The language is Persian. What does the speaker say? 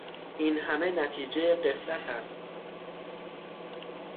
اینهمه نتیجهٔ غفلت است.